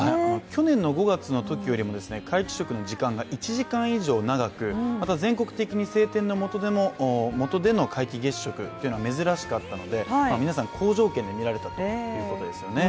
去年の５月のときより皆既食の時間が１時間以上長く、全国的に青天のもとでの皆既月食っていうのは珍しかったので皆さん、好条件で見られたということですよね。